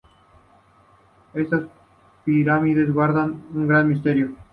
Estas pirámides guardan un gran misterio.